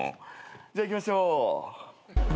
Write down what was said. じゃあいきましょう。